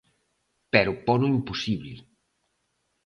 Pero pono imposible.